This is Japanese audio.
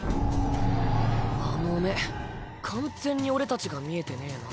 うんあの目完全に俺たちが見えてねぇな。